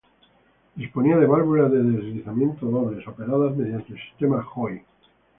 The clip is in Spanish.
Disponía de válvulas de deslizamiento dobles operadas mediante el sistema Joy.